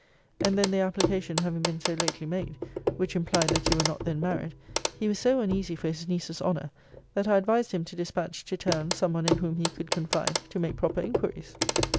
And then the application having been so lately made, which implied that you were not then married, he was so uneasy for his niece's honour, that I advised him to dispatch to town some one in whom he could confide, to make proper inquiries.'